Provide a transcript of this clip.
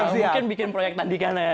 mungkin bikin proyek tandikan